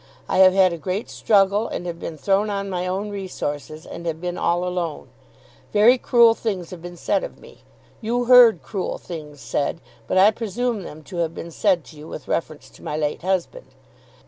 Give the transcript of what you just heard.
I have had a great struggle and have been thrown on my own resources and have been all alone. Very cruel things have been said of me. You heard cruel things said, but I presume them to have been said to you with reference to my late husband.